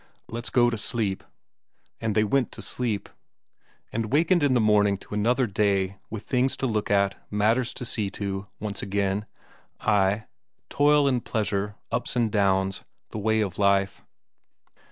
"Let's go to sleep!" And they went to sleep. And wakened in the morning to another day, with things to look at, matters to see to, once again; ay, toil and pleasure, ups and downs, the way of life.